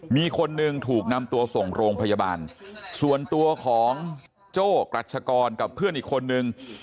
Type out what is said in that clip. มีคนหนึ่งถูกนำตัวส่งโรงพยาบาลส่วนตัวของโจ้กรัชกรกับเพื่อนอีกคนนึง